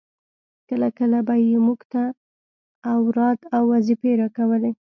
کله کله به يې موږ ته اوراد او وظيفې راکولې.